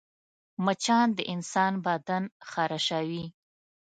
مچان د انسان بدن خارشوي